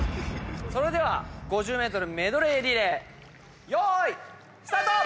それでは５０ｍメドレーリレーよーいスタート！